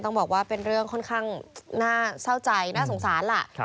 ต้องบอกว่าเป็นเรื่องค่อนข้างน่าเศร้าใจน่าสงสารล่ะ